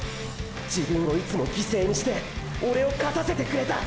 自分をいつも犠牲にしてオレを勝たせてくれた！